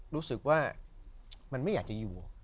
รู้สึกว่ามันไม่อยากจะอยู่